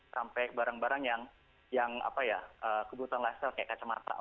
kayak barang barang yang kebutuhan lifestyle kayak kacamata